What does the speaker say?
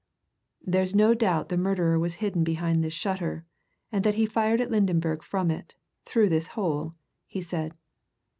"There's no doubt the murderer was hidden behind this shutter, and that he fired at Lydenberg from it, through this hole," he said.